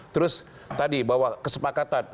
terus tadi bahwa kesepakatan